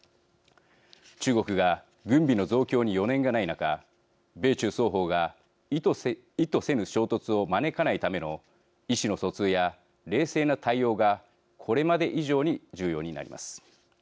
中国が軍備の増強に余念がない中米中双方が意図せぬ衝突を招かないための意思の疎通や、冷静な対応がこれまで以上に重要になります。